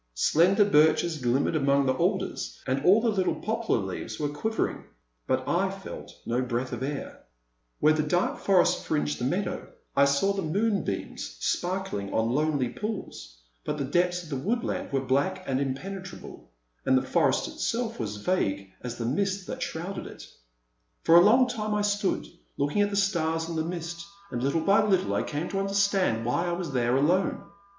Slender birches glimmered among the alders, and all the little poplar leaves were quivering, but I felt no breath of air. io6 The Silent Land. Where the dark forest fringed the meadow I saw the moonbeams sparklmg on lonely pools, but the depths of the woodland were black and impenetrable, and the forest itself was vague as the mist that shrouded it. For a long time I stood, looking at the stars and the mist, and little by little I came to under stand why I was there alone.